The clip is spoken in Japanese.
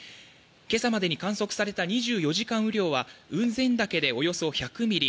今朝までに観測された２４時間雨量は雲仙岳でおよそ１００ミリ